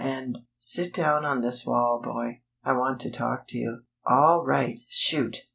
_ and, " "Sit down on this wall, boy. I want to talk to you." "All right. Shoot!"